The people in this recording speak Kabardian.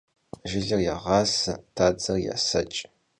Jjıler yêğase, badzer yêseç'.